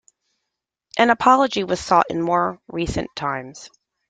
An apology was sought in more recent times.